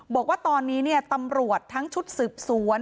บอกว่าตอนนี้ตำรวจทั้งชุดสืบสวน